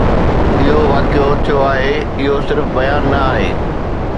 اهو واقعي ٿيو آهي، اهو صرف بيان نه آهي.